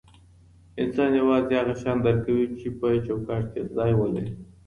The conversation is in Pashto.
انسان یوازې هغه شیان درک کوي چې چوکاټ کې ځای ولري.